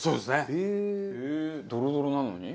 へえドロドロなのに？